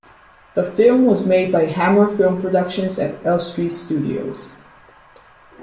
The film was made by Hammer Film Productions at Elstree Studios.